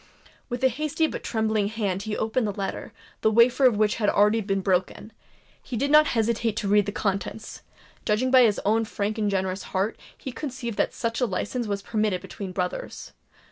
With a hasty but trembling hand he opened the letter, the wafer of which had already been broken;—he did not hesitate to read the contents;—judging by his own frank and generous heart, he conceived that such a licence was permitted between brothers.